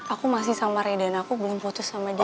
aku masih sama redan aku belum putus sama dia